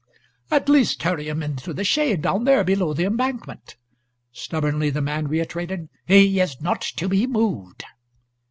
"At least carry him into the shade, down there, below the embankment!" Stubbornly the man reiterated, "He is not to be moved."